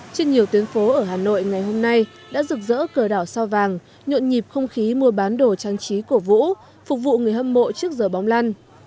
trên nhiều tuyến phố ở hà nội ngày hôm nay đã rực rỡ cờ đỏ sao vàng nhộn nhịp không khí mua bán đồ trang trí cổ vũ phục vụ người hâm mộ trước giờ bóng lan